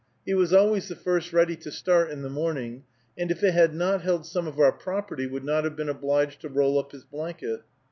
He was always the first ready to start in the morning, and if it had not held some of our property, would not have been obliged to roll up his blanket.